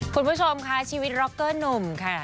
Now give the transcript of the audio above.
คุณผู้ชมค่ะชีวิตร็อกเกอร์หนุ่มค่ะ